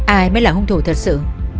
ai mới là hung thủ thật sự